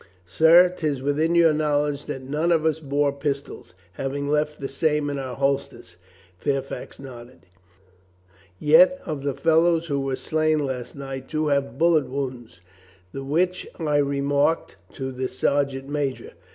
"Sir, 'tis within your knowledge that none of us bore pistols, having left the same in our holsters." Fair fax nodded. "Yet, of the fellows who were slain last night two have bullet wounds, the which I re marked to the sergeant major."